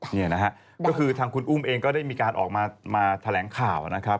นี่นะฮะก็คือทางคุณอุ้มเองก็ได้มีการออกมาแถลงข่าวนะครับ